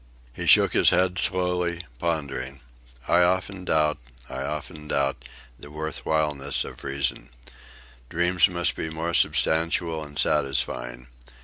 He shook his head slowly, pondering. "I often doubt, I often doubt, the worthwhileness of reason. Dreams must be more substantial and satisfying.